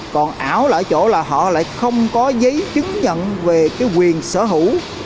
còn ảo ở chỗ là họ lại không có giấy chứng nhận về cái quyền sở hữu